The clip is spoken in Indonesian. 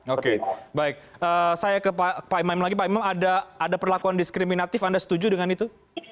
oke baik saya ke pak imam lagi pak imam ada perlakuan diskriminatif anda setuju dengan itu